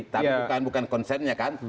tapi bukan konsennya kan